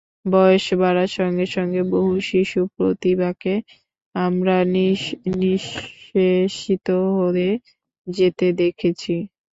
বয়স বাড়ার সঙ্গে সঙ্গে বহু শিশুপ্রতিভাকে আমরা নিঃশেষিত হয়ে যেতে দেখেছি।